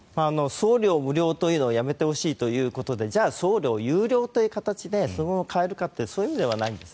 送料無料というのはやめてほしいということでじゃあ、送料有料という形でそこを変えるかってそういう意味ではないんです。